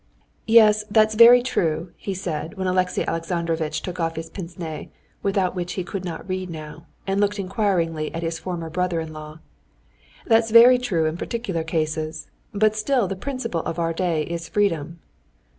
"Yes, that's very true," he said, when Alexey Alexandrovitch took off the pince nez, without which he could not read now, and looked inquiringly at his former brother in law, "that's very true in particular cases, but still the principle of our day is freedom."